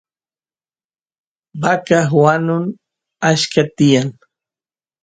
vaca wanu achka tiyan